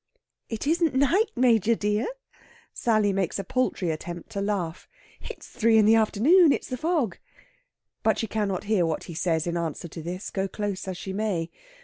"It isn't night, Major dear" Sally makes a paltry attempt to laugh "it's three in the afternoon. It's the fog." But she cannot hear what he says in answer to this, go close as she may.